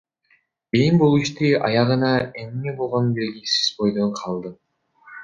Кийин бул иштин аягы эмне болгону белгисиз бойдон калды.